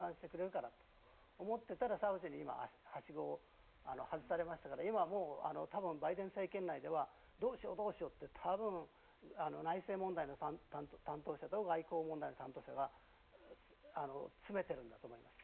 でもその計算の裏にはそうしなくても石油の価格は大丈夫だと、サウジが増産してくれるかと思っていたらサウジに今はしごを外されましたから今は多分バイデン政権内ではどうしようどうしようって多分、内政問題の担当者と外交問題の担当者が詰めてるんだと思います。